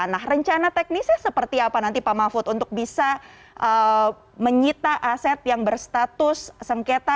nah rencana teknisnya seperti apa nanti pak mahfud untuk bisa menyita aset yang berstatus sengketa